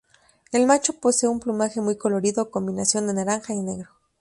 El macho posee un plumaje muy colorido, combinación de naranja y negro.